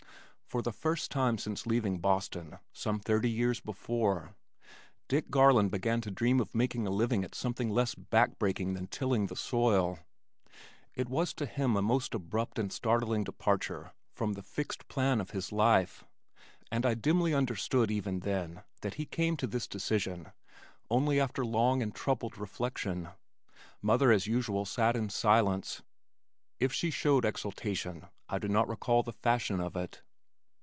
For the first time since leaving Boston, some thirty years before, Dick Garland began to dream of making a living at something less backbreaking than tilling the soil. It was to him a most abrupt and startling departure from the fixed plan of his life, and I dimly understood even then that he came to this decision only after long and troubled reflection. Mother as usual sat in silence. If she showed exultation, I do not recall the fashion of it.